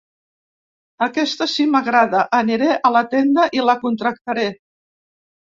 Aquesta sí m'agrada, aniré a la tenda i la contractaré.